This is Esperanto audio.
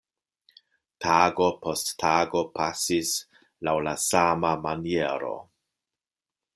Tago post tago pasis laŭ la sama maniero.